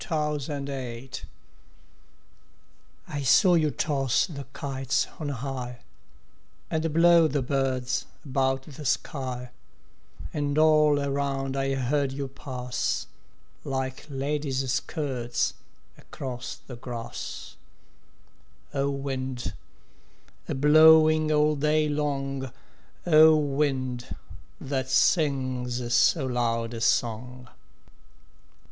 XXVThe Wind I saw you toss the kites on high And blow the birds about the sky; And all around I heard you pass, Like ladies' skirts across the grass O wind, a blowing all day long, O wind, that sings so loud a song!